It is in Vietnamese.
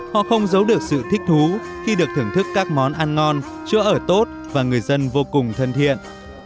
họ không giấu được sự thích thú khi được thưởng thức các món ăn ngon chữa ở tốt và người dân vô cùng thân thiện